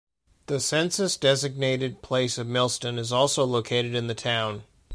The census-designated place of Millston is also located in the town.